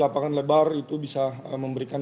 lapangan lebar itu bisa memberikan